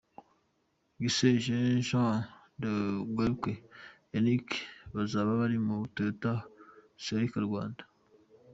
Giesen Jean Jean na Dewalque Yannick bazaba bari muri Toyota Celica-Rwanda.